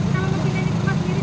kalau mau pilih ini kemas sendiri